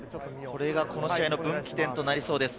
この試合の分岐点となりそうです。